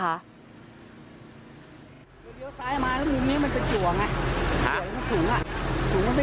ซ้ายมาแล้วมุมนี้มันเป็นจั่วไง